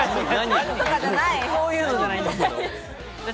そういうのじゃないんですが。